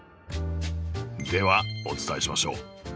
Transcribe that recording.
ではお伝えしましょう。